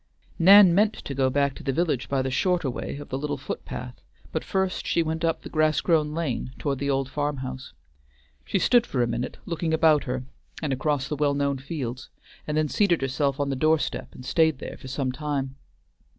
Nan meant to go back to the village by the shorter way of the little foot path, but first she went up the grass grown lane toward the old farm house. She stood for a minute looking about her and across the well known fields, and then seated herself on the door step, and stayed there for some time.